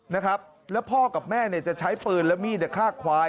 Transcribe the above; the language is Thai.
นะครับแล้วพ่อกับแม่เนี่ยจะใช้ปืนและมีดฆ่าควาย